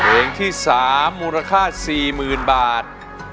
เพลงที่๓มูลค่า๔๐๐๐บาท